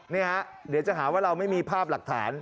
นี่ฮะเดี๋ยวจะหาว่าเราไม่มีภาพหลักฐาน